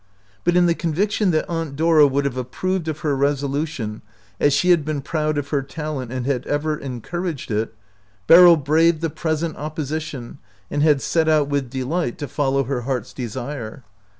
But in the conviction that Aunt Dora would have approved of her resolution, as she had been proud of her talent and had ever encouraged it, Beryl braved the pres ent opposition and had set out with delight to follow her heart's desire.